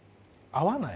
合わない。